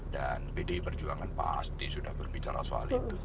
dan pdip berjuangan pasti sudah berbicara soal itu